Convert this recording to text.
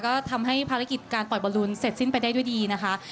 ก็ทำให้ภารกิจการปล่อยบอลลูนเสร็จสิ้นไปได้ด้วยดีนะคะ